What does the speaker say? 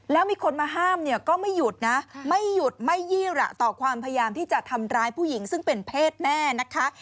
แล้วมีคนมาห้ามเนี่ยก็ไม่หยุดนะไม่หยุดไม่ยี่หละต่อความพยายามที่จะทำร้ายผู้หญิงซึ่งเป็นเพศแม่นะคะ